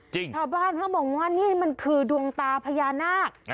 ชาวบ้านเขามองว่านี่มันคือดวงตาพญานาค